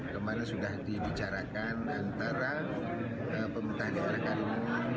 kemarin sudah dibicarakan antara pemerintah daerah karimun